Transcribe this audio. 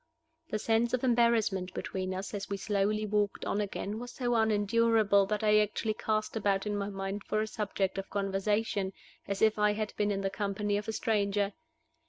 The sense of embarrassment between us as we slowly walked on again was so unendurable that I actually cast about in my mind for a subject of conversation, as if I had been in the company of a stranger!